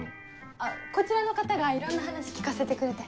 あっこちらの方がいろんな話聞かせてくれて。